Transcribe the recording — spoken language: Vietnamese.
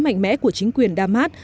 mạnh mẽ của chính quyền đa mát